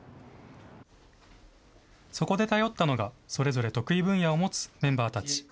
そこで頼ったのが、それぞれ得意分野を持つメンバーたち。